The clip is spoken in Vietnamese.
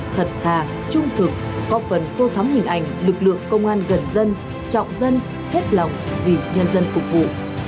thật thà trung thực góp phần tô thắm hình ảnh lực lượng công an gần dân trọng dân hết lòng vì nhân dân phục vụ